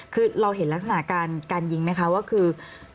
คือเราเห็นลักษณะการยิงไหมคะว่าคือ